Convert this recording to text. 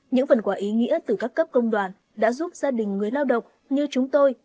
những phần quả ý nghĩa từ các cấp công đoàn đã giúp gia đình người lao động như chúng tôi